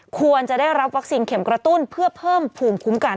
ควรจะได้รับวัคซีนเข็มกระตุ้นเพื่อเพิ่มภูมิคุ้มกัน